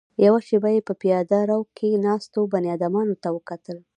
يوه شېبه يې په پياده رو کې ناستو بنيادمانو ته وکتل.